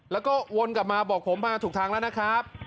แล้วก็วนกลับมาบอกผมมาถูกทางแล้วนะครับ